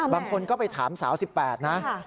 บางคนก็ไปถามสาว๑๘นะ